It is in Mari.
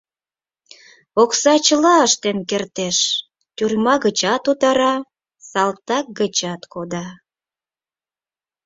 Окса чыла ыштен кертеш: тюрьма гычат утара, салтак гычат кода...